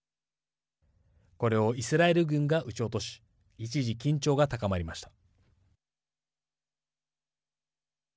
これをイスラエル軍が撃ち落とし一時、緊張が高まりました。